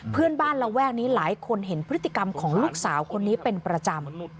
ระแวกนี้หลายคนเห็นพฤติกรรมของลูกสาวคนนี้เป็นประจำ